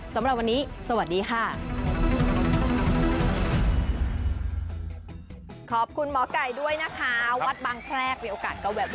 สำหรับวันนี้สวัสดีค่ะ